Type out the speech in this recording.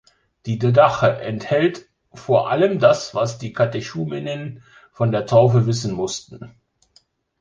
Die Didache enthält vor allem das, was die Katechumenen vor der Taufe wissen mussten.